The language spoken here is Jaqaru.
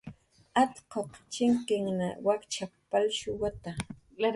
"Atquq amninhan wakchap"" palshuwata"